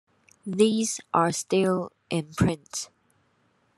These are still in print.